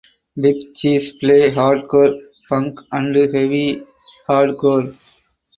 Big Cheese play hardcore punk and heavy hardcore.